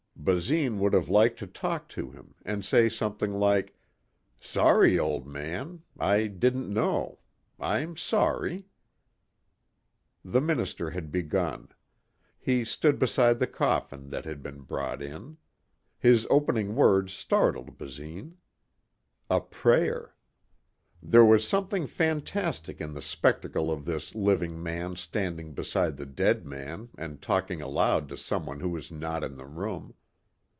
Basine would have liked to talk to him and say something like, "Sorry, old man. I didn't know. I'm sorry...." The minister had begun. He stood beside the coffin that had been brought in. His opening words startled Basine. A prayer! There was something fantastic in the spectacle of this living man standing beside the dead man and talking aloud to someone who was not in the room.